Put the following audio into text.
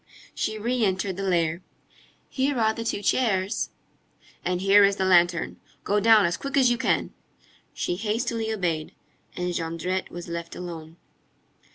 She re entered the lair. "Here are the two chairs." "And here is the lantern. Go down as quick as you can." She hastily obeyed, and Jondrette was left alone.